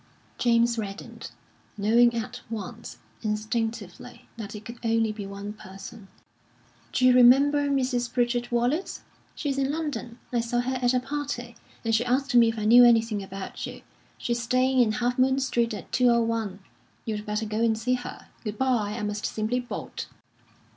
James reddened, knowing at once, instinctively, that it could only be one person. "D'you remember Mrs. Pritchard Wallace? She's in London. I saw her at a party, and she asked me if I knew anything about you. She's staying in Half Moon Street, at 201. You'd better go and see her. Good bye! I must simply bolt."